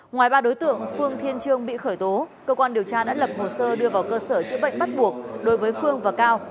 ngoài ba đối tượng phương thiên trương bị khởi tố cơ quan điều tra đã lập hồ sơ đưa vào cơ sở chữa bệnh bắt buộc đối với phương và cao